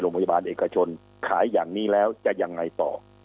โรงพยาบาลเอกชนขายอย่างนี้แล้วจะยังไงต่อ